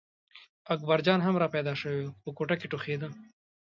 اکبرجان هم را پیدا شوی و په کوټه کې ټوخېده.